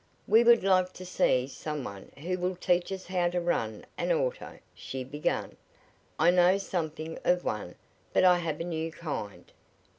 "We would like to see some one who will teach us how to run an auto," she began. "I know something of one, but I have a new kind."